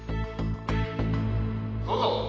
どうぞ！